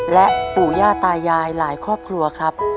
และปู่ย่าตายายหลายครอบครัวครับ